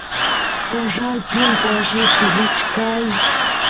corral punku allit wichkay